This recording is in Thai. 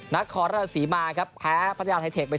นักคอร์ดรัฐศรีมายนะครับแพ้พระเจ้าไทเทคไป๓๖